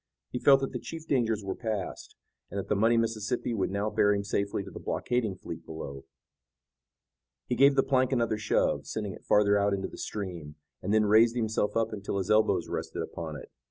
He felt that the chief dangers were passed, and that the muddy Mississippi would now bear him safely to the blockading fleet below. He gave the plank another shove, sending it farther out into the stream, and then raised himself up until his elbows rested upon it.